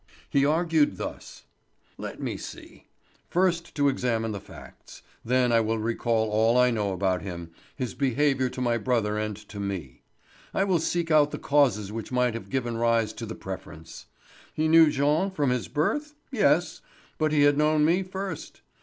He argued thus: "Let me see: first to examine the facts; then I will recall all I know about him, his behaviour to my brother and to me. I will seek out the causes which might have given rise to the preference. He knew Jean from his birth? Yes, but he had known me first.